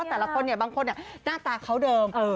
แต่ละคนเนี่ยบางคนหน้าตาเขาเดิม